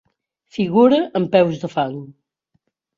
Figura amb peus de fang.